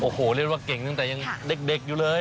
โอ้โหเรียกว่าเก่งตั้งแต่ยังเด็กอยู่เลย